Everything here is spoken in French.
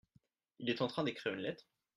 Il est en train d’écrire une lettre ?